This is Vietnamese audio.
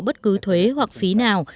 bất cứ thuế hoặc phí nào